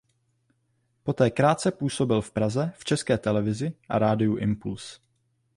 Poté krátce působil v Praze v České televizi a Rádiu Impuls.